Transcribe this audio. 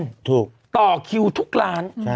คนไม่แน่นต่อคิวทุกร้าน